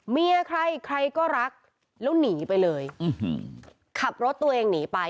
เมียใครใครก็รักแล้วหนีไปเลยขับรถตัวเองหนีไป